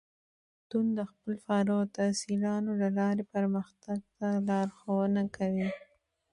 پوهنتون د خپلو فارغ التحصیلانو له لارې پرمختګ ته لارښوونه کوي.